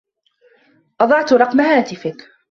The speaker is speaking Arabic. أضعت رقم هاتفك.